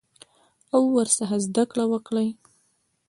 او ورڅخه زده کړه وکړي.